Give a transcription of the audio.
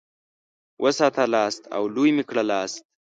وساتلاست او لوی مي کړلاست.